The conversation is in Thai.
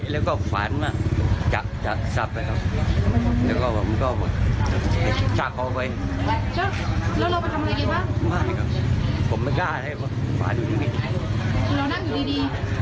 แล้วก็มาเตะแห้งตรงนี้